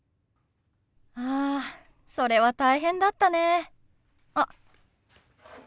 あそれは大変だったね。あっ。